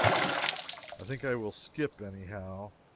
I think I will skip, any how.